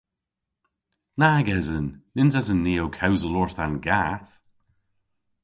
Nag esen! Nyns esen ni ow kewsel orth an gath.